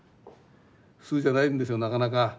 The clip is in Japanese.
普通じゃないんですよなかなか。